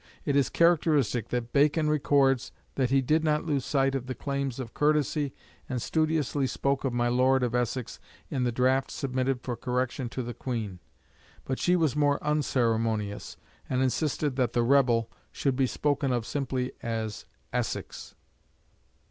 It is characteristic that Bacon records that he did not lose sight of the claims of courtesy, and studiously spoke of "my Lord of Essex" in the draft submitted for correction to the Queen; but she was more unceremonious, and insisted that the "rebel" should be spoken of simply as "Essex."